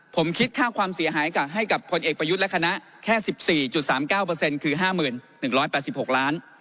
ผมคิดค่าความเสียหายให้กับพลเอกประยุทธ์และคณะแค่๑๔๓๙คือ๕๑๘๖ล้าน